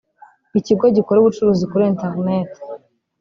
Ikigo gikora ubucuruzi kuri Internet